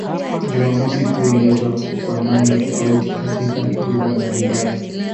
Jumamosi kuu inaitwa kwa namna tofauti katika lugha mbalimbali.